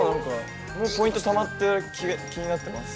◆ポイントたまって、気になってます。